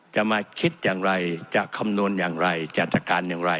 จะมาคิดอย่างไรจะคำนวณอย่างไรจะจัดการอย่างไร